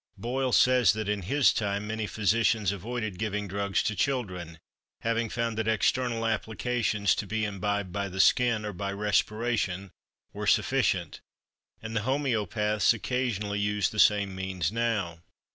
Boyle says that, in his time, many physicians avoided giving drugs to children, having found that external applications, to be imbibed by the skin, or by respiration, were sufficient; and the homeopaths occasionally use the same means now.